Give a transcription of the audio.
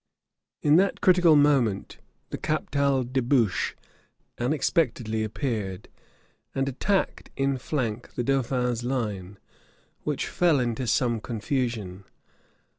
In that critical moment the Captal de Buche unexpectedly appeared, and attacked in flank the dauphin's line, which fell into some confusion.